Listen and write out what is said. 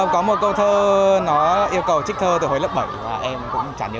có một câu thơ nó yêu cầu trích thơ từ hồi lớp bảy và em cũng chả nhớ